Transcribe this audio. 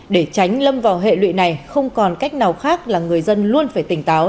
để tránh lâm vào hệ lụy này không còn cách nào khác là người dân luôn phải tỉnh táo